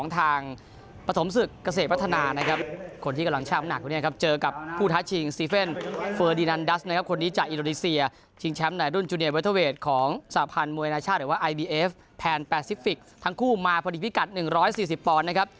ทั้งคู่มาพอดีพิกัด๑๔๐ปอนด์นะครับ